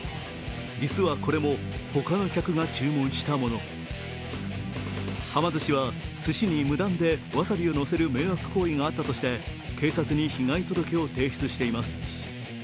実は、これもほかの客が注文したもの。はま寿司は、すしに無断でわさびをのせる迷惑行為があったとして警察に被害届を提出しています。